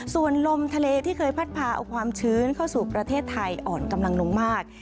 ส่วนลมทะเลที่เคยพัดพาเอาความชื้นเข้าสู่ประเทศไทยอ่อนกำลังลงมาก